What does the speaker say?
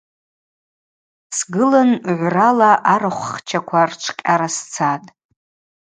Сгылын гӏврала арахвхчаква рчвкъьара сцатӏ.